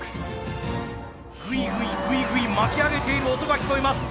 ぐいぐいぐいぐい巻き上げている音が聞こえます。